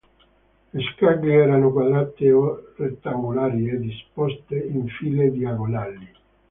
Le scaglie erano quadrate o rettangolari e disposte in file diagonali.